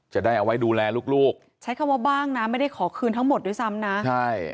จะได้เอาไว้ดูแลลูกลูกใช้คำว่าบ้างนะไม่ได้ขอคืนทั้งหมดด้วยซ้ำนะใช่